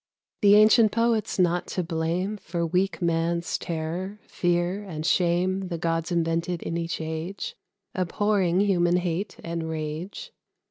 The ancient poet's not to blame, For weak man's terror, fear, and shame The gods invented in each age, Abhorring human hate and rage.